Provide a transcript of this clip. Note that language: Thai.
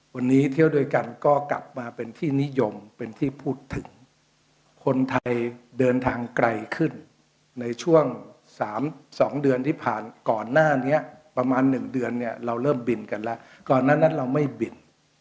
วันนี้เที่ยวด้วยกันก็กลับมาเป็นที่นิยมเป็นที่พูดถึงคนไทยเดินทางไกลขึ้นในช่วงสามสองเดือนที่ผ่านก่อนหน้านี้ประมาณหนึ่งเดือนเนี่ยเราเริ่มบินกันแล้วก่อนนั้นเราไม่บิน